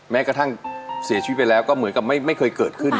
แม้กระทั่งเสียชีวิตไปแล้วก็เหมือนกับไม่เคยเกิดขึ้น